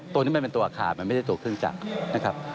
ตัวนี้มันเป็นตัวอาคารมันไม่ใช่ตัวเครื่องจักรนะครับ